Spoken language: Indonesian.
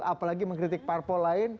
apalagi mengkritik parpol lain